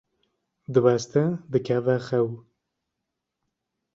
diweste dikeve xew.